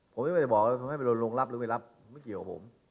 ผมยังไม่ได้บอกว่าผมให้ไปโดนลงรับหรือไม่รับไม่เกี่ยวกับผม